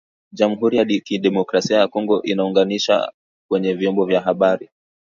jamuhuri ya kidemokrasia ya Kongo inaunganishwa kwenye vyombo vya habari